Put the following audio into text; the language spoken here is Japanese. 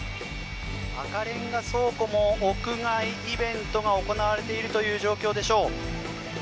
赤レンガ倉庫も屋外イベントが行われているという状況でしょう。